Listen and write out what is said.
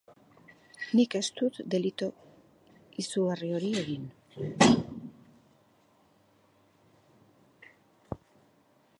Nik ez dut delitu izugarri hori egin.